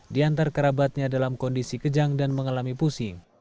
diantar kerabatnya dalam kondisi kejang dan mengalami pusing